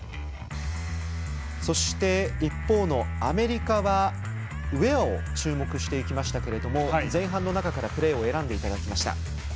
そして、一方のアメリカはウェアを注目していきましたが前半の中からプレーを選んでいただきました。